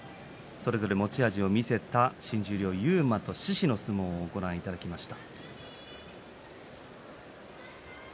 それぞれ持ち味を見せた新十両、勇磨と獅司の相撲をご覧いただきました。